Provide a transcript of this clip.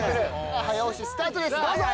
早押しスタートですどうぞ！